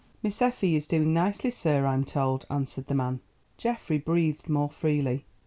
"Miss Effie is doing nicely, sir, I'm told," answered the man. Geoffrey breathed more freely.